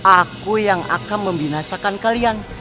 aku yang akan membinasakan kalian